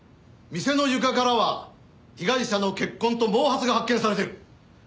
店の床からは被害者の血痕と毛髪が発見されてる。